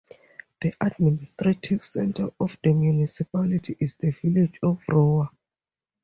The administrative centre of the municipality is the village of Roa.